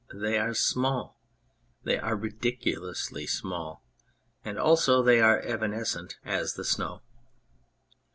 They are small, they are ridiculously small and also they are evanescent as the snow.